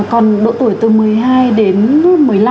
còn độ tuổi từ một mươi hai đến một mươi năm